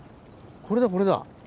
これだこれだ。